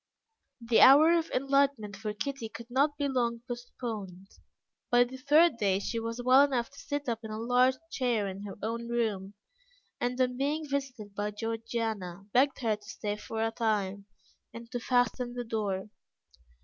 The hour of enlightenment for Kitty could not be long postponed. By the third day she was well enough to sit up in a large chair in her own room, and on being visited by Georgiana, begged her to stay for a time, and to fasten the door.